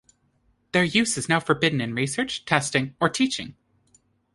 Their use is now forbidden in research, testing, or teaching.